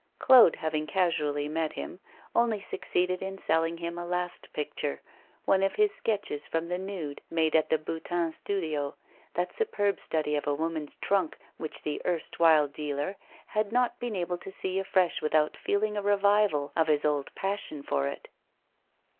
Claude, having casually met him, only succeeded in selling him a last picture, one of his sketches from the nude made at the Boutin studio, that superb study of a woman's trunk which the erstwhile dealer had not been able to see afresh without feeling a revival of his old passion for it.